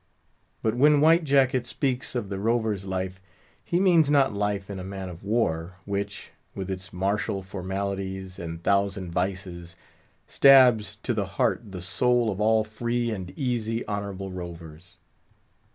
But when White Jacket speaks of the rover's life, he means not life in a man of war, which, with its martial formalities and thousand vices, stabs to the heart the soul of all free and easy honourable rovers.